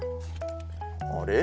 あれ？